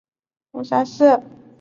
大杜若为鸭跖草科杜若属的植物。